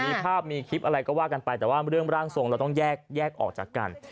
มีภาพมีคลิปอะไรก็ว่ากันไปแต่ว่าเรื่องร่างทรงเราต้องแยกแยกออกจากกัน